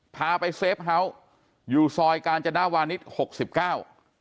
พาไปเซฟเฮาส์อยู่ซอยกาญจนาวานิสหกสิบเก้า